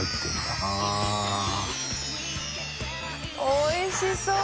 おいしそう！